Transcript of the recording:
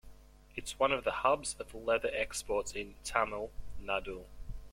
It's one of the hubs of Leather exports in Tamil Nadu.